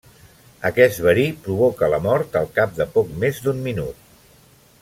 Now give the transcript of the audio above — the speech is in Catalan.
Aquest verí provoca la mort al cap de poc més d'un minut.